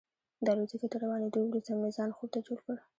د الوتکې تر روانېدو وروسته مې ځان خوب ته جوړ کړ.